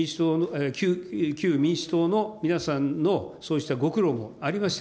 旧民主党の皆さんのそうしたご苦労もありました。